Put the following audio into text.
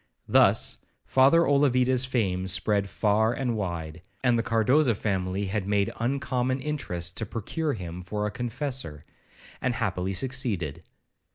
Thus Father Olavida's fame spread far and wide, and the Cardoza family had made uncommon interest to procure him for a Confessor, and happily succeeded.